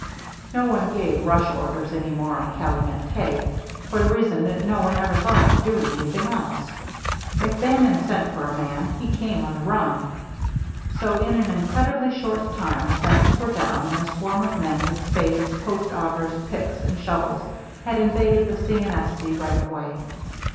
No one gave rush orders any more on Calumet K, for the reason that no one ever thought of doing anything else. If Bannon sent for a man, he came on the run. So in an incredibly short time the fences were down and a swarm of men with spades, post augers, picks, and shovels had invaded the C. & S. C. right of way.